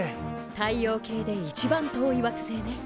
太陽系で一番遠い惑星ね。